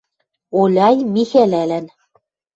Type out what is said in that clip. Оляй Михӓлӓлӓн.